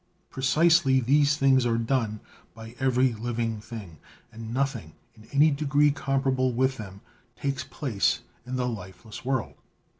Precisely these things are done by every living thing, and nothing in any degree comparable with them takes place in the lifeless world."